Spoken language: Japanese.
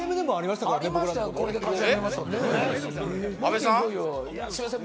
「すいません